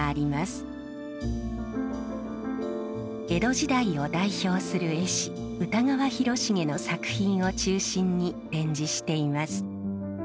江戸時代を代表する絵師歌川広重の作品を中心に展示しています。